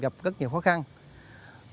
gặp lại cũng sẽ giúp đỡ khó khăn a